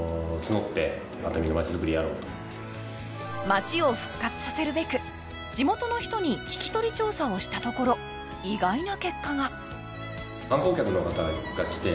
街を復活させるべく地元の人に聞き取り調査をしたところ意外な結果が。